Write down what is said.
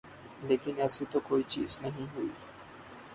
لیکن ایسی تو کوئی چیز نہیں ہوئی۔